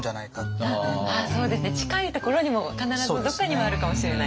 そうですね近いところにも必ずどっかにはあるかもしれない。